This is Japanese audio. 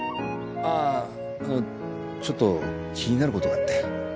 あああのちょっと気になることがあって。